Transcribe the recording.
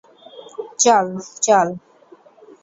চল, চল।